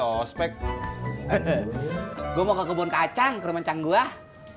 ospek gue mau ke kebun kacang ke rumah cangguah